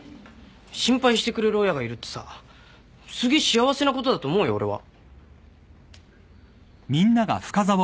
心配してくれる親がいるってさすげえ幸せなことだと思うよ俺は。